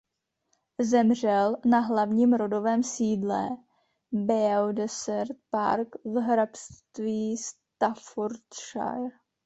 Zemřel na hlavním rodovém sídle "Beaudesert Park" v hrabství Staffordshire.